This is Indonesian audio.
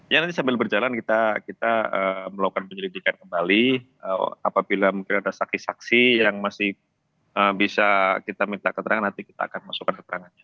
ya nanti sambil berjalan kita melakukan penyelidikan kembali apabila mungkin ada saksi saksi yang masih bisa kita minta keterangan nanti kita akan masukkan keterangannya